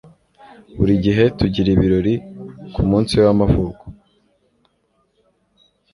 Buri gihe tugira ibirori kumunsi we w'amavuko.